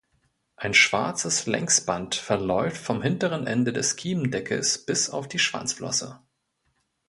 Ein schwarzes Längsband verläuft vom hinteren Ende des Kiemendeckels bis auf die Schwanzflosse.